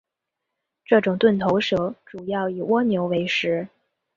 这种钝头蛇主要以蜗牛为食。